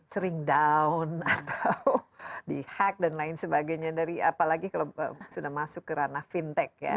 sering down atau di hack dan lain sebagainya dari apalagi kalau sudah masuk ke ranah fintech ya